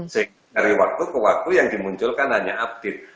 saya mencari waktu ke waktu yang dimunculkan hanya update